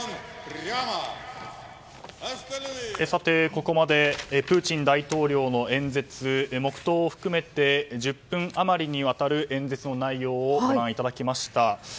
ここまでプーチン大統領の演説黙祷を含めて１０分余りにわたる演説の内容をご覧いただきました。